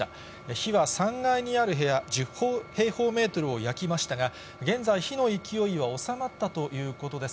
火は３階にある部屋、１０平方メートルを焼きましたが、現在、火の勢いは収まったということです。